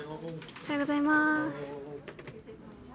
おはようございます。